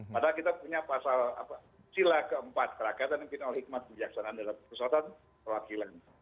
padahal kita punya sila keempat keragatan yang dipimpin oleh hikmat kebijaksanaan dalam perusahaan perwakilan